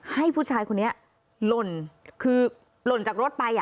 ให้ผู้ชายคนนี้หล่นคือหล่นจากรถไป